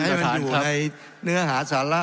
ถ้าอยู่ในเนื้อหาศาละ